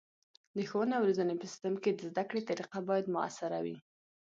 د ښوونې او روزنې په سیستم کې د زده کړې طریقه باید مؤثره وي.